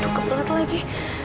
aduh kebelet lagi